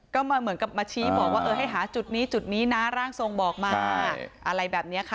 ก็มาเหมือนกับมาชี้บอกว่าเออให้หาจุดนี้จุดนี้นะร่างทรงบอกมาอะไรแบบนี้ค่ะ